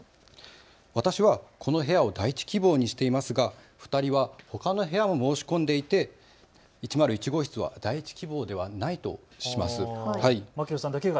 私はこの部屋を第１希望にしていますが２人はほかの部屋も申し込んでいて１０１号室は第１希望ではないとします。